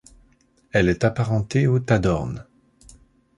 Elle est apparentée aux tadornes.